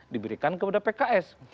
diberikan kepada pks